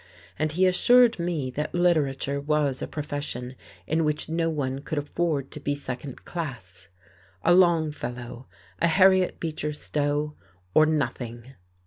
And he assured me that literature was a profession in which no one could afford to be second class. A Longfellow, a Harriet Beecher Stowe, or nothing.